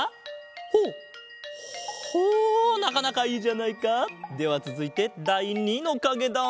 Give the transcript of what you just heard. ほうほなかなかいいじゃないか！ではつづいてだい２のかげだ。